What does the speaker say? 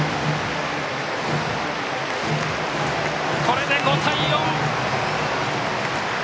これで５対４。